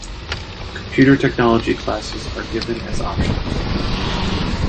Computer technology classes are given as options.